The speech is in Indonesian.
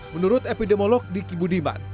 menurut epidemiolog diki budiman